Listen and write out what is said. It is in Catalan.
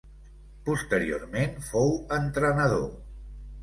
Posteriorment fou entrenador.